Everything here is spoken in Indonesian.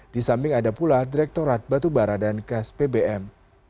di samping ada pula direktorat batu bara dan gas bbm